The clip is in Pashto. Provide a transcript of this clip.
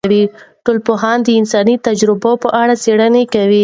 ټولنپوهنه د انساني تجربو په اړه څیړنې کوي.